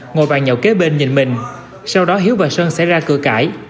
ngồi bàn nhậu kế bên nhìn mình sau đó hiếu và sơn xảy ra cửa cãi